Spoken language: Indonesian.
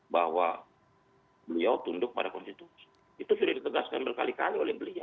bahwa beliau tunduk pada konstitusi itu sudah ditegaskan berkali kali oleh beliau